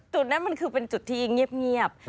จุดนั้นมันคือเป็นจุดที่เงียบ